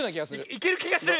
いけるきがする！